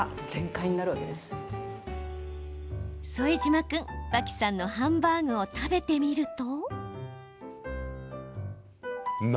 副島君、脇さんのハンバーグを食べてみると。